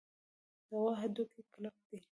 د غوا هډوکي کلک دي.